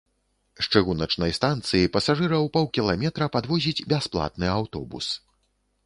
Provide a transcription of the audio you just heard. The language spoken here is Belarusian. З чыгуначнай станцыі пасажыраў паўкіламетра падвозіць бясплатны аўтобус.